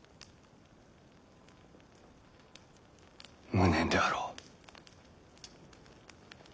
無念であろう。